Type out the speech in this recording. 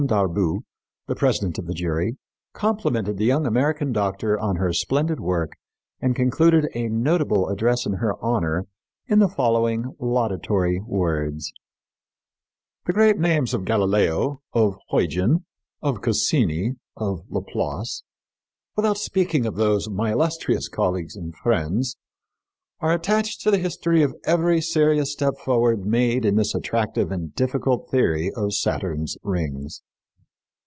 Darboux, the president of the jury, complimented the young American doctor on her splendid work and concluded a notable address in her honor in the following laudatory words: "The great names of Galileo, of Huyghens, of Cassini, of Laplace, without speaking of those of my illustrious colleagues and friends, are attached to the history of every serious step forward made in this attractive and difficult theory of Saturn's rings.